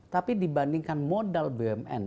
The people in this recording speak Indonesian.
tapi dibandingkan modal bumn